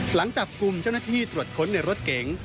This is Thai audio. หลังจับกลุ่มเจ้าหน้าที่ตรวจค้นในรถเก๋ง